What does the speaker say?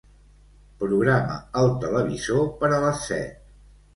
Programa el televisor per a les set.